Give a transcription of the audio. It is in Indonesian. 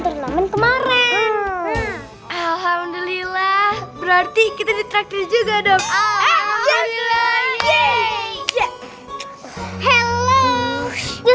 turnamen kemarin alhamdulillah berarti kita ditraktir juga dong